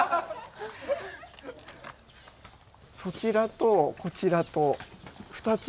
そちらとこちらと２つ。